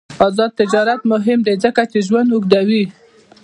آزاد تجارت مهم دی ځکه چې ژوند اوږدوي.